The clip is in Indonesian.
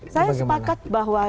saya sepakat bahwa